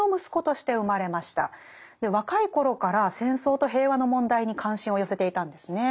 若い頃から戦争と平和の問題に関心を寄せていたんですね。